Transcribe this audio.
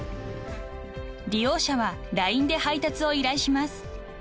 ［利用者はＬＩＮＥで配達を依頼します］